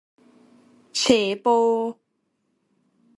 เฉโป ?